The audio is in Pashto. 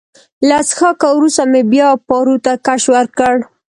له څښاکه وروسته مې بیا پارو ته کش ورکړ.